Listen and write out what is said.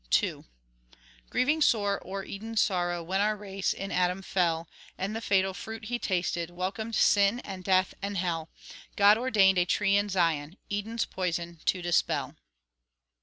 II Grieving sore o'er Eden's sorrow When our race in Adam fell; And the fatal fruit he tasted, Welcomed sin, and death, and hell; God ordained a tree in Zion, Eden's poison to dispel.